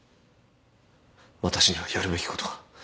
私にはやるべきことが。